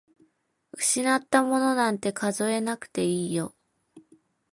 失ったものなんて数えなくていいよ。